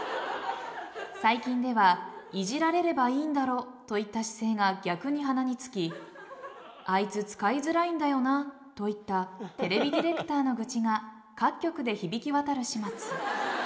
最近ではいじられればいいんだろといった姿勢が逆に鼻につき「あいつ使いづらいんだよな」といったテレビディレクターの愚痴が各局で響き渡る始末。